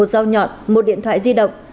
một dao nhọn một điện thoại di động